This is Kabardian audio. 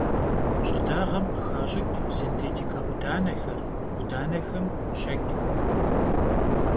Ş'ıdağem khıxaş'ıç' sintêtike 'Udanexer, 'Udanexem — şeç'.